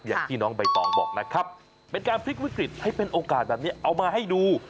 อย่างที่น้องใบตองบอกนะครับเป็นการพลิกวิกฤตให้เป็นโอกาสแบบนี้เอามาให้ดู